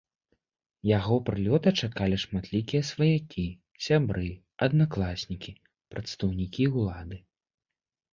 Яго прылёта чакалі шматлікія сваякі, сябры, аднакласнікі, прадстаўнікі ўлады.